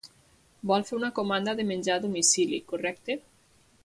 Vol fer una comanda de menjar a domicili, correcte?